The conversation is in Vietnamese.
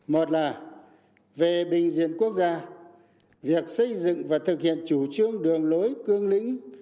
một là về bình diện quốc gia việc xây dựng và thực hiện chủ trương đường lối cương lĩnh